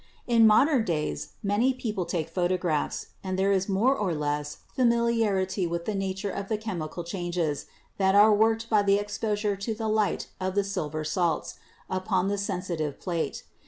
In modern days many people take photographs, and there is more or less familiarity with the nature of the chemical changes that are worked by the exposure to the light of the silver salts upon the "sensitive" plate.